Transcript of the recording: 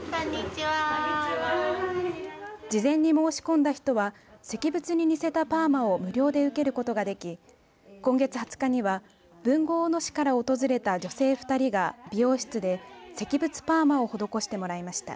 事前に申し込んだ人は石仏に似せたパーマを無料で受けることができ今月２０日には豊後大野市から訪れた女性２人が美容室で石仏オパーマを施してもらいました。